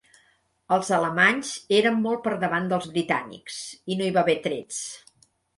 Els alemanys eren molt per davant dels britànics, i no hi va haver trets.